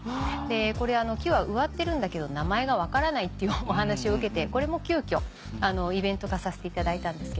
これ木は植わってるんだけど名前が分からないっていうお話を受けてこれも急きょイベント化させていただいたんですけど。